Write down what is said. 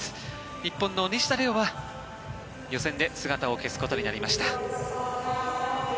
日本の西田玲雄は予選で姿を消すことになりました。